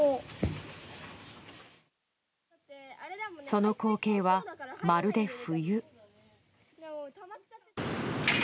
その光景は、まるで冬。